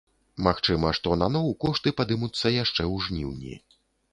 Магчыма, што наноў кошты падымуцца яшчэ ў жніўні.